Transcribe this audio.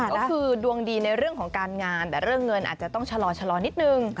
ก็คือดวงดีในเรื่องของการงานแต่เรื่องเงินอาจจะต้องชะลอนิดนึง